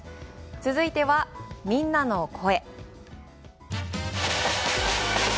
続いてはみんなの声。